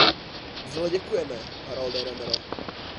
Vřele děkujeme, Haralde Rømere.